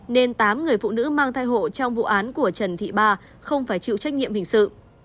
nên tám người phụ nữ mang thai hộ trong vụ án của trần thị ba không phải chịu trách nhiệm hình sự